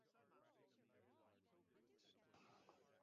Both were rebuilt.